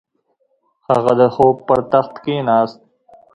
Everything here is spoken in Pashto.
هغه د خوب پر تخت کیناست.